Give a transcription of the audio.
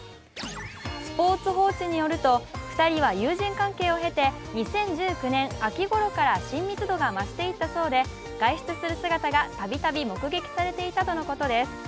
「スポーツ報知」によると、２人は友人関係を経て２０１９年秋ごろから親密度が増していったそうで外出する姿が、たびたび目撃されていたということです。